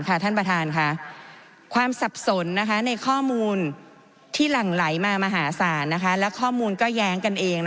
ความสับสนในข้อมูลที่หลั่งไหลมามหาศาลและข้อมูลก็แย้งกันเอง